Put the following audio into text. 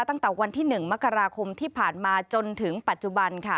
ตั้งแต่วันที่๑มกราคมที่ผ่านมาจนถึงปัจจุบันค่ะ